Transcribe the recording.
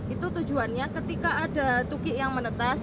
itu tujuannya ketika ada tukik yang menetas